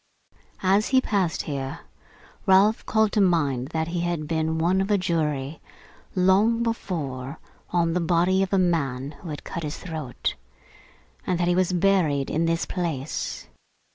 As he passed here, Ralph called to mind that he had been one of a jury, long before, on the body of a man who had cut his throat; and that he was buried in this place.